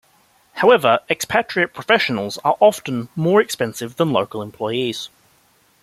However, expatriate professionals are often more expensive than local employees.